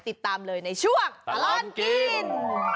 ติดตามเลยในช่วงตลอดกิน